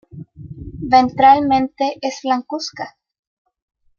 Ventralmente es blancuzca.